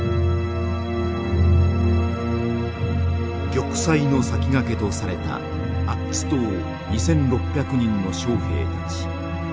玉砕の先駆けとされたアッツ島２，６００人の将兵たち。